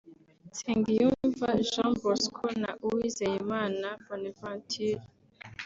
Nsengiyumva Jean Bosco na Uwizeyimana Bonaventure